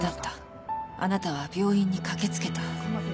あなたは病院に駆けつけた。